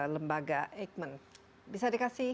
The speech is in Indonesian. lembaga eikman bisa dikasih